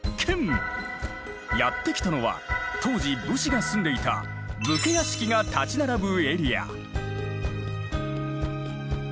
やって来たのは当時武士が住んでいた武家屋敷が立ち並ぶエリア。